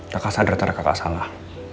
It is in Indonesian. kakak sadar sadar kakak salah